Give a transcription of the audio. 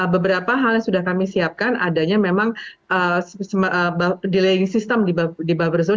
beberapa hal yang sudah kami siapkan adanya memang delaying system di buffer zone